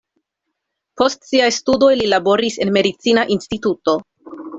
Post siaj studoj li laboris en medicina instituto.